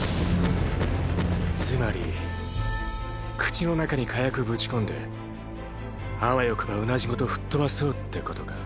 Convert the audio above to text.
つまり口の中に火薬ぶち込んであわよくばうなじごと吹っ飛ばそうってことか？